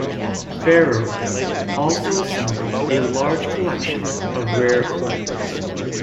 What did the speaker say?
Ferrary also assembled a large collection of rare coins.